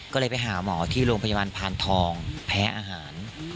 ก็เลยไปหาหมอที่โรงพยาบาลพานทองแพ้อาหาร